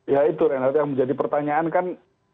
ya itu renat yang menjadi pertanyaan kan